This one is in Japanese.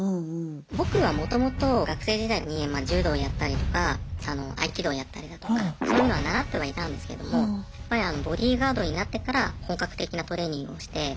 僕はもともと学生時代にまあ柔道やったりとか合気道やったりだとかそういうのは習ってはいたんですけどもやっぱりボディーガードになってから本格的なトレーニングをして。